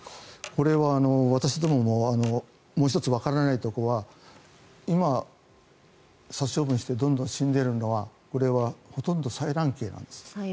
これは私どもももう一つ、わからないところは今、殺処分してどんどん死んでるのはこれはほとんど採卵鶏なんです。